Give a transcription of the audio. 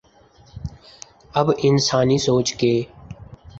اب انسانی سوچ کے